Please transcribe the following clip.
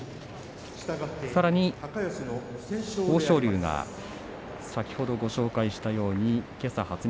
さらに豊昇龍は先ほどご紹介したようにけさ発熱。